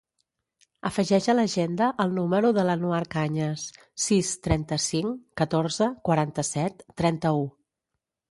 Afegeix a l'agenda el número de l'Anouar Cañas: sis, trenta-cinc, catorze, quaranta-set, trenta-u.